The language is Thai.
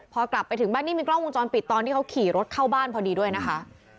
พอกลับไปถึงบ้านนี่มีกล้องวงจรปิดตอนที่เขาขี่รถเข้าบ้านพอดีด้วยนะคะ